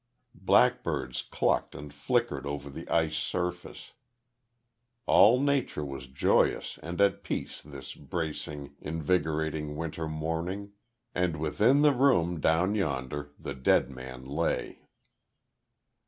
Blackbirds clucked and flickered over the ice surface. All Nature was joyous and at peace this bracing, invigorating winter morning, and within the room down yonder the dead man lay.